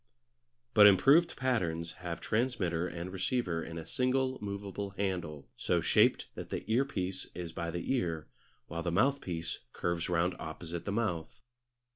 But improved patterns have transmitter and receiver in a single movable handle, so shaped that the earpiece is by the ear while the mouthpiece curves round opposite the mouth.